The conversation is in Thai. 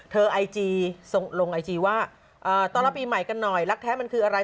ไอจีลงไอจีว่าต้อนรับปีใหม่กันหน่อยรักแท้มันคืออะไร